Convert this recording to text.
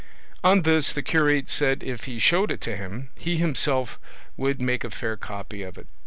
On this the curate said if he showed it to him, he himself would make a fair copy of it.